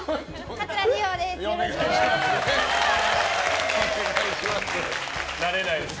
桂二葉です。